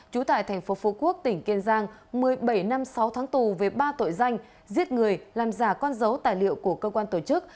trú tại thành phố phú quốc tỉnh kiên giang một mươi bảy năm sáu tháng tù về ba tội danh giết người làm giả con dấu tài liệu của cơ quan tổ chức